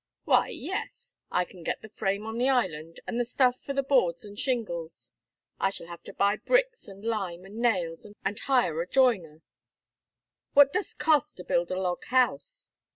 "Why, yes. I can get the frame on the island, and the stuff for the boards and shingles. I shall have to buy bricks, and lime, and nails, and hire a joiner." "What does't cost to build a log house?"